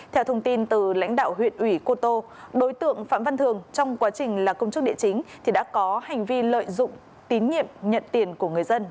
theo thông tin từ lãnh đạo huyện ủy cô tô đối tượng phạm văn thường trong quá trình là công chức địa chính thì đã có hành vi lợi dụng tín nhiệm nhận tiền của người dân